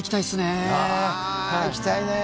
行きたいねー。